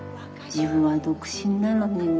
自分は独身なのにね。